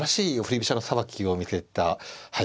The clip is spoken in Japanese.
飛車のさばきを見せたはい